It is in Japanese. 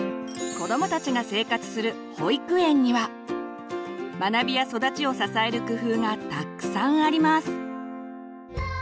子どもたちが生活する保育園には学びや育ちを支える工夫がたくさんあります。